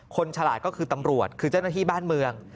ฉลาดก็คือตำรวจคือเจ้าหน้าที่บ้านเมือง